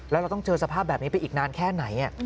แล้วเราต้องเจอสภาพแบบนี้ไปอีกนานแค่ไหน